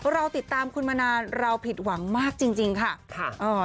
เราติดตามคุณมานานเราผิดหวังมากจริงค่ะ